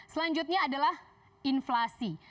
selanjutnya adalah inflasi